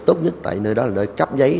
tốt nhất tại nơi đó là nơi cắp giấy